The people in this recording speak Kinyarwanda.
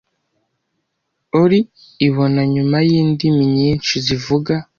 OI ibona nyuma yindimi nyinshi zivuga,